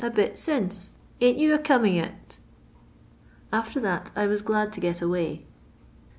a bit since ; ain't you a coming it V After that, I was glad to get away.